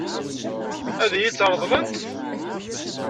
Ad iyi-tt-ṛeḍlent?